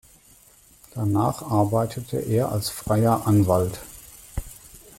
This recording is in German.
Danach arbeitete er als freier Anwalt.